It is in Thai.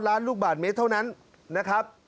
ล้านลูกบาทเมตรเท่านั้นนะครับ